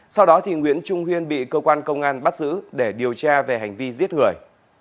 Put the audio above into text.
sau đó nguyễn trung huyên bị cơ quan công an bắt giữ để điều tra về hành vi giết người